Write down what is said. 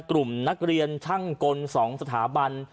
กลุ่มนักเรียนช่างกล๒สถาบัน